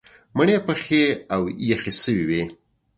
مڼې پخې او یخې شوې وې.